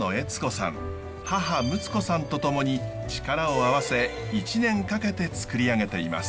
母睦子さんと共に力を合わせ１年かけてつくり上げています。